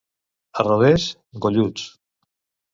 A Rodés, golluts.